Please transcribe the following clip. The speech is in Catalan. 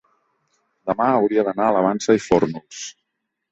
demà hauria d'anar a la Vansa i Fórnols.